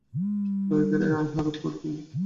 দয়া করিয়া ইহার উত্তর দিন।